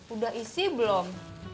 udah isi belum